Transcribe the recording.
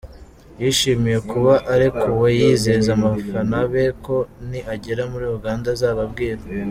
yishimiye kuba arekuwe, yizeza abafana be ko ni agera muri Uganda azababwira.